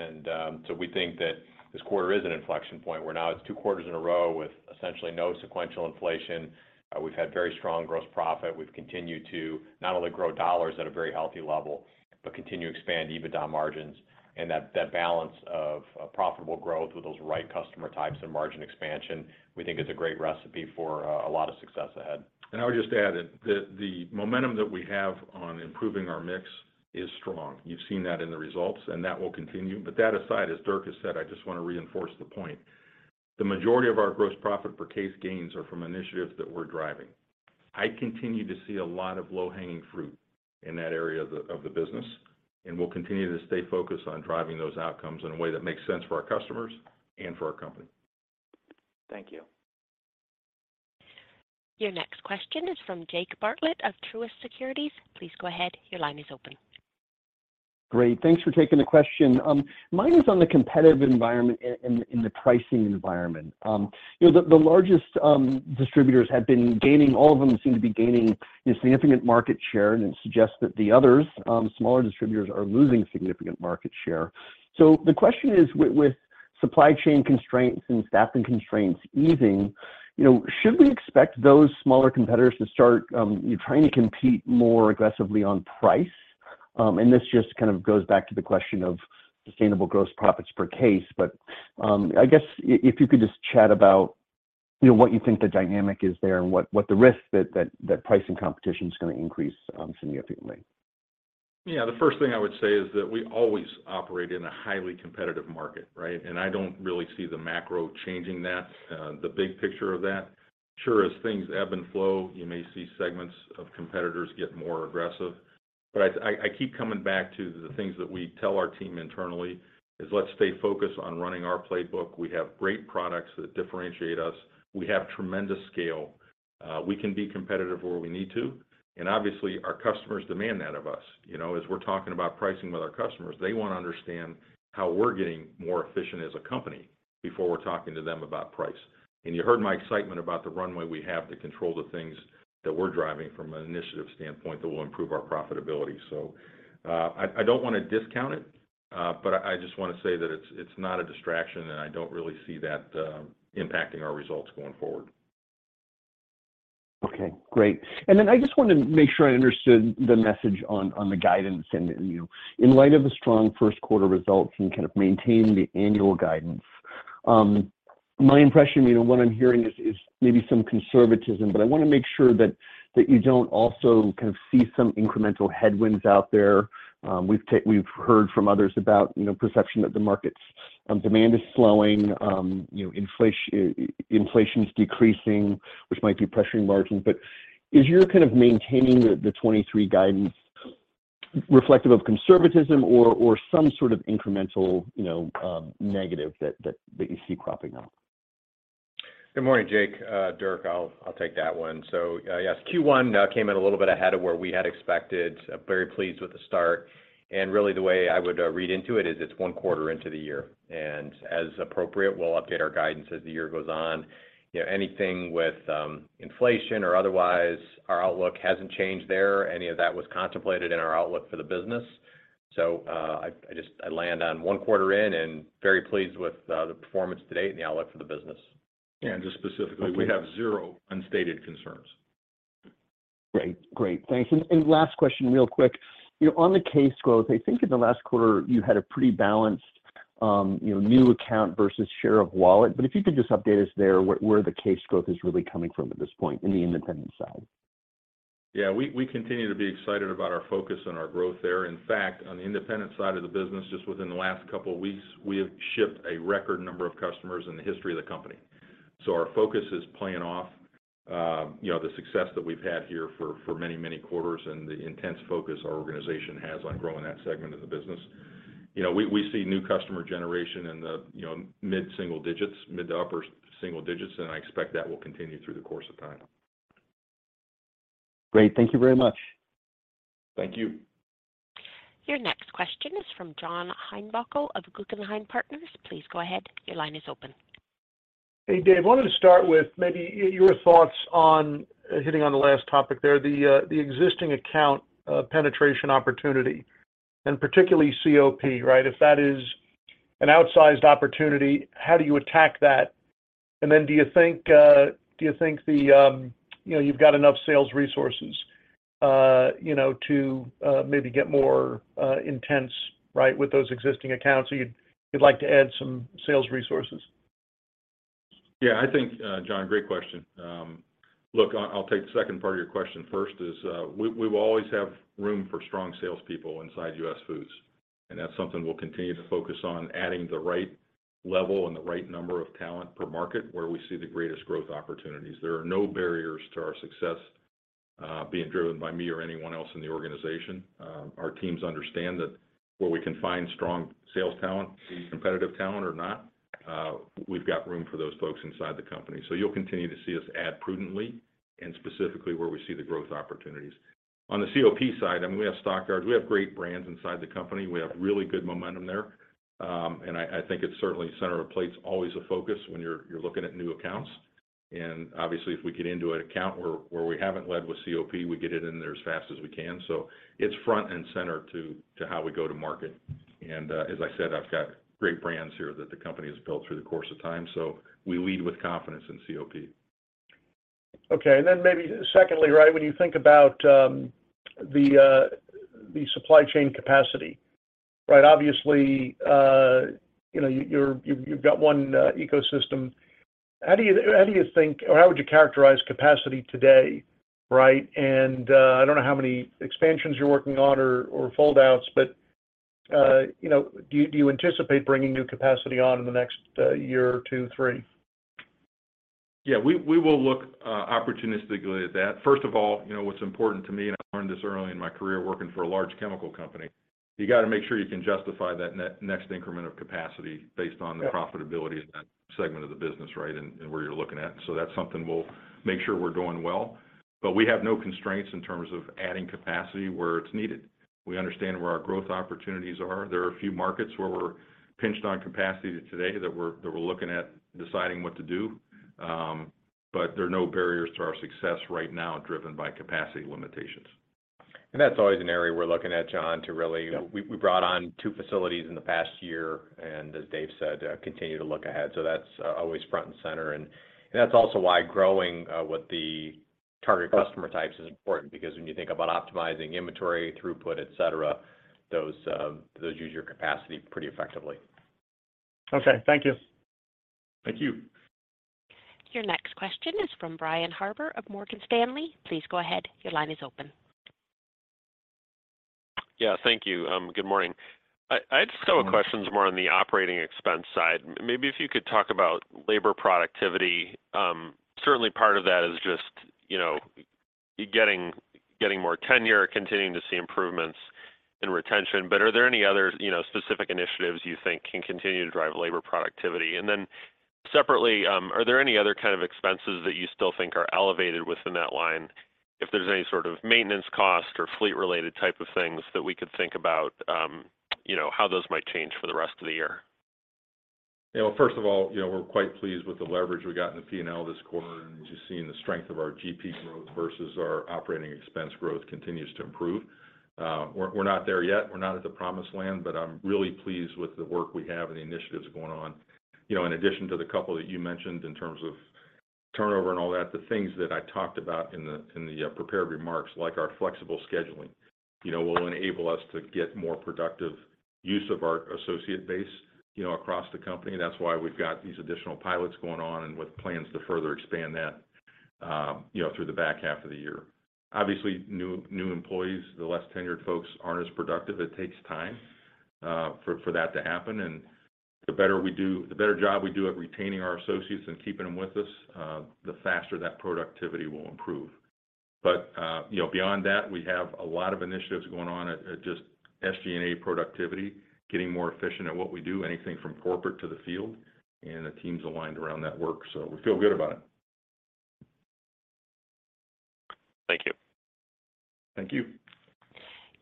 We think that this quarter is an inflection point, where now it's two quarters in a row with essentially no sequential inflation. We've had very strong gross profit. We've continued to not only grow dollars at a very healthy level, but continue to expand EBITDA margins. That balance of profitable growth with those right customer types and margin expansion, we think is a great recipe for a lot of success ahead. I would just add that the momentum that we have on improving our mix is strong. You've seen that in the results, and that will continue. That aside, as Dirk has said, I just wanna reinforce the point. The majority of our gross profit per case gains are from initiatives that we're driving. I continue to see a lot of low-hanging fruit in that area of the business, we'll continue to stay focused on driving those outcomes in a way that makes sense for our customers and for our company. Thank you. Your next question is from Jake Bartlett of Truist Securities. Please go ahead. Your line is open. Great. Thanks for taking the question. Mine is on the competitive environment and the pricing environment. You know, the largest distributors have been gaining. All of them seem to be gaining a significant market share, and it suggests that the others, smaller distributors are losing significant market share. The question is with supply chain constraints and staffing constraints easing, you know, should we expect those smaller competitors to start trying to compete more aggressively on price? This just kind of goes back to the question of sustainable gross profits per case. I guess if you could just chat about, you know, what you think the dynamic is there and what the risk that price and competition is gonna increase significantly? Yeah. The first thing I would say is that we always operate in a highly competitive market, right? I don't really see the macro changing that, the big picture of that. Sure, as things ebb and flow, you may see segments of competitors get more aggressive. I keep coming back to the things that we tell our team internally is let's stay focused on running our playbook. We have great products that differentiate us. We have tremendous scale. We can be competitive where we need to, and obviously, our customers demand that of us. You know, as we're talking about pricing with our customers, they wanna understand how we're getting more efficient as a company before we're talking to them about price. You heard my excitement about the runway we have to control the things that we're driving from an initiative standpoint that will improve our profitability. I don't wanna discount it, but I just wanna say that it's not a distraction and I don't really see that impacting our results going forward. Okay. Great. I just wanted to make sure I understood the message on the guidance and, you know, in light of the strong Q1 results, you kind of maintained the annual guidance. My impression, you know, what I'm hearing is maybe some conservatism, but I wanna make sure that you don't also kind of see some incremental headwinds out there. We've heard from others about, you know, perception that the market's demand is slowing, you know, inflation's decreasing, which might be pressuring margins. Is your kind of maintaining the 2023 guidance reflective of conservatism or some sort of incremental, you know, negative that, that you see cropping up? Good morning, Jake, Dirk. I'll take that one. Yes, Q1 came in a little bit ahead of where we had expected. Very pleased with the start. Really the way I would read into it is it's one quarter into the year, and as appropriate, we'll update our guidance as the year goes on. You know, anything with inflation or otherwise, our outlook hasn't changed there. Any of that was contemplated in our outlook for the business. I just land on one quarter in and very pleased with the performance to date and the outlook for the business. Just specifically, we have zero unstated concerns. Great. Great. Thanks. Last question real quick. You know, on the case growth, I think in the last quarter, you had a pretty balanced, you know, new account versus share of wallet, if you could just update us there where the case growth is really coming from at this point in the independent side. Yeah. We continue to be excited about our focus and our growth there. In fact, on the independent side of the business, just within the last couple of weeks, we have shipped a record number of customers in the history of the company. Our focus is playing off, you know, the success that we've had here for many, many quarters and the intense focus our organization has on growing that segment of the business. You know, we see new customer generation in the, you know, mid-single digits, mid to upper single digits, and I expect that will continue through the course of time. Great. Thank you very much. Thank you. Your next question is from John Heinbockel of Guggenheim Partners. Please go ahead. Your line is open. Hey, Dave. Wanted to start with maybe your thoughts on hitting on the last topic there, the existing account penetration opportunity, and particularly COP, right? If that is an outsized opportunity, how do you attack that? Do you think, you know, you've got enough sales resources, you know, to maybe get more intense, right, with those existing accounts, or you'd like to add some sales resources? I think, John, great question. Look, I'll take the second part of your question first is, we will always have room for strong salespeople inside US Foods, and that's something we'll continue to focus on, adding the right level and the right number of talent per market where we see the greatest growth opportunities. There are no barriers to our success, being driven by me or anyone else in the organization. Our teams understand that where we can find strong sales talent, competitive talent or not, we've got room for those folks inside the company. You'll continue to see us add prudently and specifically where we see the growth opportunities. On the COP side, I mean, we have Stock Yards, we have great brands inside the company. We have really good momentum there. I think it's certainly Center of Plate's always a focus when you're looking at new accounts. If we get into an account where we haven't led with COP, we get it in there as fast as we can. It's front and center to how we go to market. As I said, I've got great brands here that the company has built through the course of time, we lead with confidence in COP. Okay. Then maybe secondly, right, when you think about the supply chain capacity, right? Obviously, you know, you've got one ecosystem. How do you think or how would you characterize capacity today, right? I don't know how many expansions you're working on or fold outs, but, you know, do you anticipate bringing new capacity on in the next year or two, three? We will look opportunistically at that. First of all, you know, what's important to me, and I learned this early in my career working for a large chemical company, you gotta make sure you can justify that next increment of capacity based on the profitability of that segment of the business, right? Where you're looking at. That's something we'll make sure we're doing well. We have no constraints in terms of adding capacity where it's needed. We understand where our growth opportunities are. There are a few markets where we're pinched on capacity today that we're looking at deciding what to do. There are no barriers to our success right now driven by capacity limitations. That's always an area we're looking at, John. Yeah. We brought on two facilities in the past year. As Dave said, continue to look ahead. That's always front and center. That's also why growing with the target customer types is important because when you think about optimizing inventory, throughput, et cetera, those use your capacity pretty effectively. Okay. Thank you. Thank you. Your next question is from Brian Harbour of Morgan Stanley. Please go ahead, your line is open. Yeah. Thank you. Good morning. I just have a question more on the OpEx side. Maybe if you could talk about labor productivity. Certainly part of that is just, you know, getting more tenure, continuing to see improvements in retention. Are there any other, you know, specific initiatives you think can continue to drive labor productivity? Separately, are there any other kind of expenses that you still think are elevated within that line? If there's any sort of maintenance cost or fleet related type of things that we could think about, you know, how those might change for the rest of the year. Yeah. Well, first of all, you know, we're quite pleased with the leverage we got in the P&L this quarter, and just seeing the strength of our GP growth versus our operating expense growth continues to improve. We're not there yet. We're not at the promised land, but I'm really pleased with the work we have and the initiatives going on. You know, in addition to the couple that you mentioned in terms of turnover and all that, the things that I talked about in the prepared remarks, like our flexible scheduling, you know, will enable us to get more productive use of our associate base, you know, across the company. That's why we've got these additional pilots going on and with plans to further expand that, you know, through the back half of the year. Obviously, new employees, the less tenured folks aren't as productive. It takes time for that to happen. The better job we do at retaining our associates and keeping them with us, the faster that productivity will improve. You know, beyond that, we have a lot of initiatives going on at just SG&A productivity, getting more efficient at what we do, anything from corporate to the field, and the team's aligned around that work, so we feel good about it. Thank you. Thank you.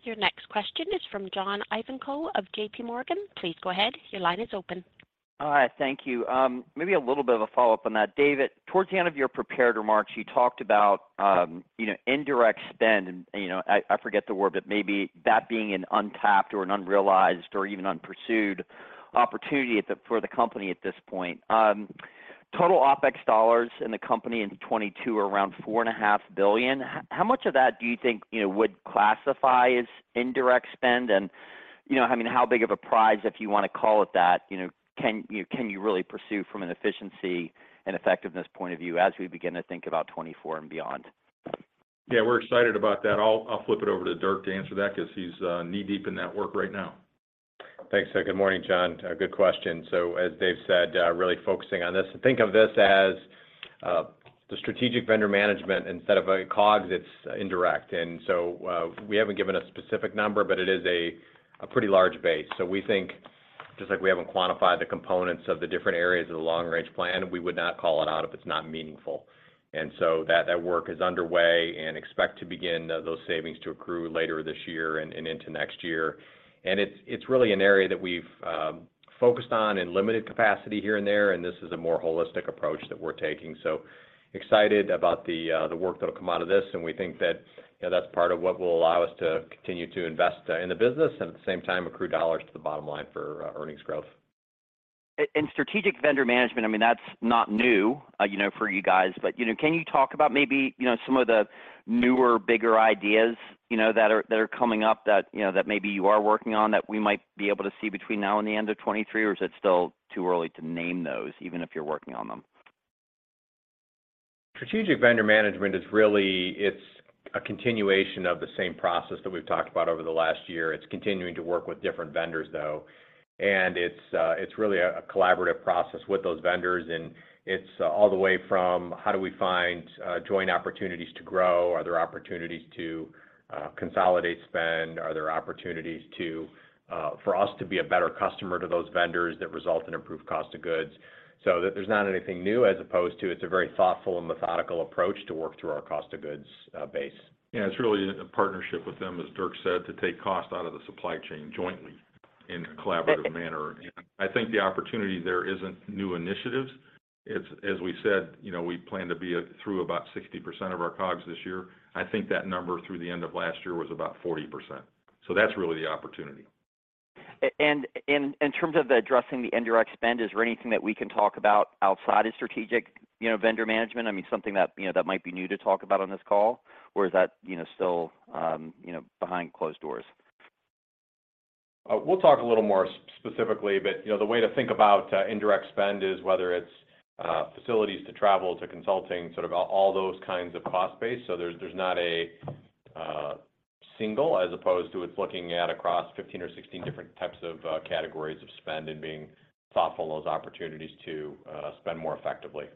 Your next question is from John Ivankoe of JPMorgan. Please go ahead, your line is open. All right. Thank you. Maybe a little bit of a follow-up on that. Dave, towards the end of your prepared remarks, you talked about, you know, indirect spend and, you know, I forget the word, but maybe that being an untapped or an unrealized or even unpursued opportunity for the company at this point. Total OpEx dollars in the company in 2022 are around $4.5 billion. How much of that do you think, you know, would classify as indirect spend? You know, I mean, how big of a prize, if you wanna call it that, you know, can you really pursue from an efficiency and effectiveness point of view as we begin to think about 2024 and beyond? Yeah, we're excited about that. I'll flip it over to Dirk to answer that 'cause he's knee-deep in that work right now. Thanks. Good morning, John. Good question. As Dave said, really focusing on this. Think of this as the strategic vendor management. Instead of a COGS, it's indirect. We haven't given a specific number, but it is a pretty large base. We think just like we haven't quantified the components of the different areas of the long-range plan, we would not call it out if it's not meaningful. That work is underway and expect to begin those savings to accrue later this year and into next year. It's really an area that we've focused on in limited capacity here and there, and this is a more holistic approach that we're taking. Excited about the work that'll come out of this, and we think that, you know, that's part of what will allow us to continue to invest in the business and at the same time accrue dollars to the bottom line for earnings growth. Strategic vendor management, I mean, that's not new, you know, for you guys. You know, can you talk about maybe, you know, some of the newer, bigger ideas, you know, that are coming up that maybe you are working on that we might be able to see between now and the end of 2023? Is it still too early to name those, even if you're working on them? Strategic vendor management is really, it's a continuation of the same process that we've talked about over the last year. It's continuing to work with different vendors, though, and it's really a collaborative process with those vendors, and it's all the way from how do we find joint opportunities to grow? Are there opportunities to consolidate spend? Are there opportunities for us to be a better customer to those vendors that result in improved cost of goods? There's not anything new as opposed to it's a very thoughtful and methodical approach to work through our cost of goods base. Yeah. It's really a partnership with them, as Dirk said, to take cost out of the supply chain jointly in a collaborative manner. I think the opportunity there isn't new initiatives. It's, as we said, you know, we plan to be through about 60% of our COGS this year. I think that number through the end of last year was about 40%. That's really the opportunity. In terms of addressing the indirect spend, is there anything that we can talk about outside of strategic, you know, vendor management? I mean, something that, you know, that might be new to talk about on this call, or is that, you know, still, behind closed doors? We'll talk a little more specifically, but, you know, the way to think about indirect spend is whether it's facilities to travel, to consulting, sort of all those kinds of cost base. There's not a single as opposed to it's looking at across 15 or 16 different types of categories of spend and being thoughtful of those opportunities to spend more effectively.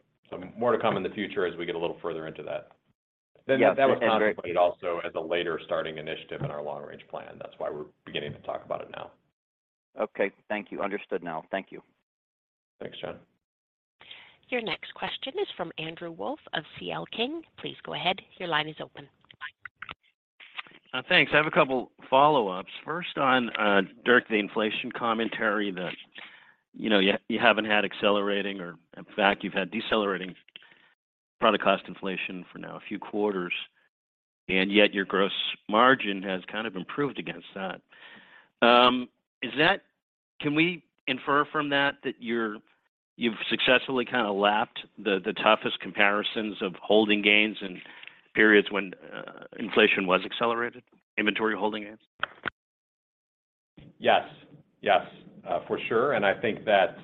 More to come in the future as we get a little further into that. Yeah. And Dirk- That was contemplated also as a later starting initiative in our long-range plan. That's why we're beginning to talk about it now. Okay. Thank you. Understood now. Thank you. Thanks, John. Your next question is from Andrew Wolf of C.L. King. Please go ahead, your line is open. Thanks. I have a couple follow-ups. First on Dirk, the inflation commentary that, you know, you haven't had accelerating or in fact you've had decelerating product cost inflation for now a few quarters. Yet your gross margin has kind of improved against that. Can we infer from that that you're, you've successfully kinda lapped the toughest comparisons of holding gains in periods when inflation was accelerated, inventory holding gains? Yes, for sure. I think that,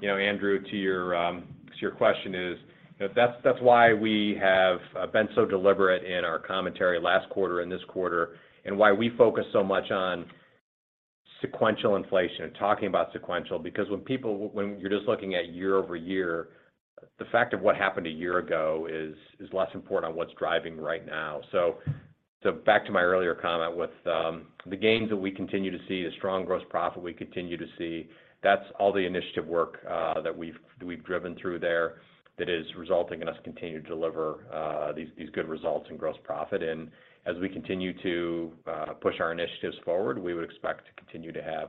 you know, Andrew, to your, to your question is, you know, that's why we have been so deliberate in our commentary last quarter and this quarter and why we focus so much on sequential inflation and talking about sequential. When you're just looking at year-over-year, the fact of what happened a year ago is less important on what's driving right now. Back to my earlier comment with the gains that we continue to see, the strong gross profit we continue to see, that's all the initiative work that we've driven through there that is resulting in us continuing to deliver these good results in gross profit. As we continue to push our initiatives forward, we would expect to continue to have,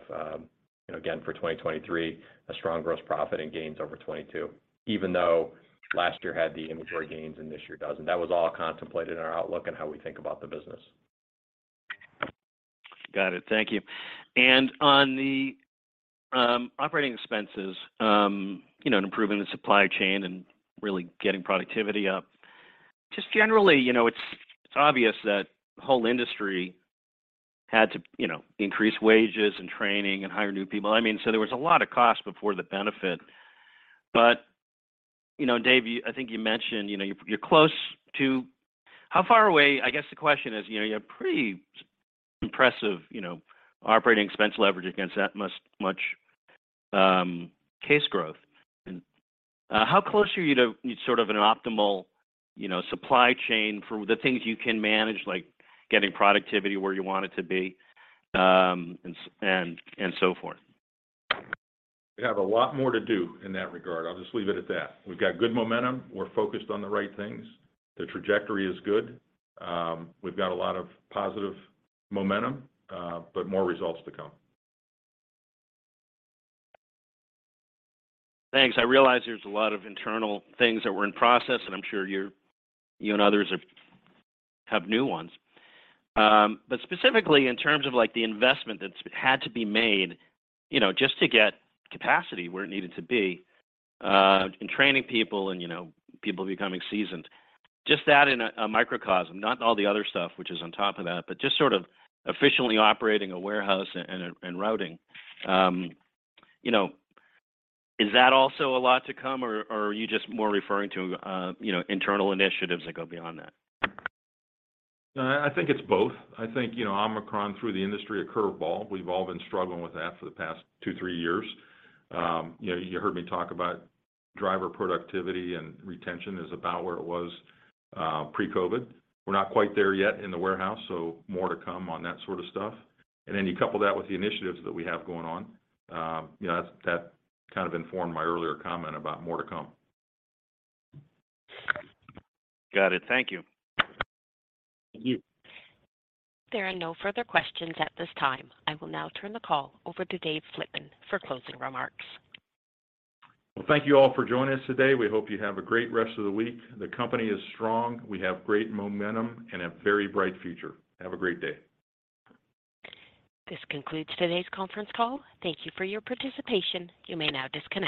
you know, again, for 2023, a strong gross profit and gains over 2022, even though last year had the inventory gains and this year doesn't. That was all contemplated in our outlook and how we think about the business. Got it. Thank you. On the operating expenses, you know, and improving the supply chain and really getting productivity up, just generally, you know, it's obvious that the whole industry had to, you know, increase wages and training and hire new people. I mean, there was a lot of cost before the benefit. You know, Dave, I think you mentioned, you know, you're close to... How far away, I guess the question is, you know, you have pretty impressive, you know, operating expense leverage against that much, much case growth. How close are you to sort of an optimal, you know, supply chain for the things you can manage, like getting productivity where you want it to be, and so forth? We have a lot more to do in that regard. I'll just leave it at that. We've got good momentum. We're focused on the right things. The trajectory is good. We've got a lot of positive momentum, more results to come. Thanks. I realize there's a lot of internal things that were in process, I'm sure you're, you and others have new ones. Specifically in terms of like the investment that's had to be made, you know, just to get capacity where it needed to be, and training people and, you know, people becoming seasoned. Just that in a microcosm, not all the other stuff which is on top of that, but just sort of efficiently operating a warehouse and routing. You know, is that also a lot to come or are you just more referring to, you know, internal initiatives that go beyond that? I think it's both. I think, you know, Omicron threw the industry a curve ball. We've all been struggling with that for the past two, three years. You know, you heard me talk about driver productivity and retention is about where it was pre-COVID. We're not quite there yet in the warehouse. More to come on that sort of stuff. You couple that with the initiatives that we have going on, you know, that kind of informed my earlier comment about more to come. Got it. Thank you. Thank you. There are no further questions at this time. I will now turn the call over to Dave Flitman for closing remarks. Well, thank you all for joining us today. We hope you have a great rest of the week. The company is strong. We have great momentum and a very bright future. Have a great day. This concludes today's conference call. Thank you for your participation. You may now disconnect.